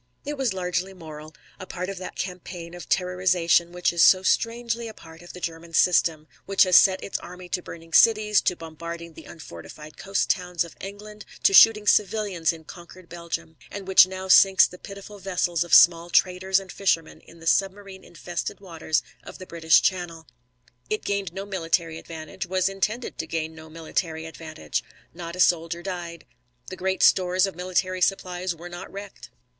It was largely moral, a part of that campaign of terrorisation which is so strangely a part of the German system, which has set its army to burning cities, to bombarding the unfortified coast towns of England, to shooting civilians in conquered Belgium, and which now sinks the pitiful vessels of small traders and fishermen in the submarine infested waters of the British Channel. It gained no military advantage, was intended to gain no military advantage. Not a soldier died. The great stores of military supplies were not wrecked.